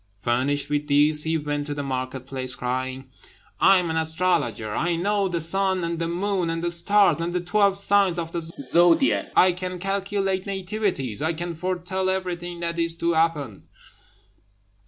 Furnished with these he went to the market place, crying, "I am an astrologer! I know the sun, and the moon, and the stars, and the twelve signs of the zodiac; I can calculate nativities; I can foretell everything that is to happen!"